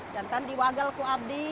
dan di wakil aku mengabdi